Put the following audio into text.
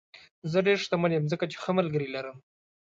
زه ډېر شتمن یم ځکه چې ښه ملګري لرم.